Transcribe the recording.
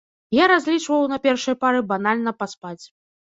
Я разлічваў на першай пары банальна паспаць.